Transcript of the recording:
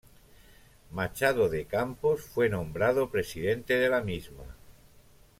Machado de Campos due nombrado presidente de la misma.